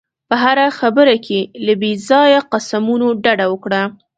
په هره خبره کې له بې ځایه قسمونو ډډه وکړه.